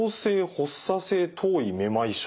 発作性頭位めまい症。